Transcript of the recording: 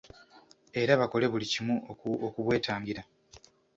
Era bakole buli kimu okubwetangira.